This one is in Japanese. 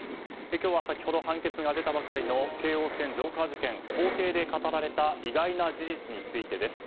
今日は先ほど判決が出たばかりの京王線ジョーカー事件法廷で語られた意外な事実についてです。